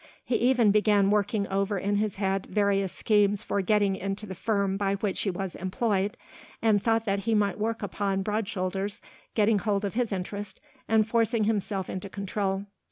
He even began working over in his head various schemes for getting into the firm by which he was employed, and thought that he might work upon Broad Shoulders, getting hold of his interest and forcing himself into control.